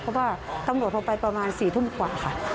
เพราะว่าตำรวจโทรไปประมาณ๔ทุ่มกว่าค่ะ